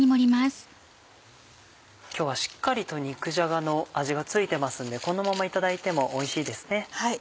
今日はしっかりと肉じゃがの味が付いてますのでこのままいただいてもおいしいですね。